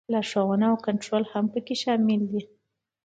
لارښوونه او کنټرول هم پکې شامل دي.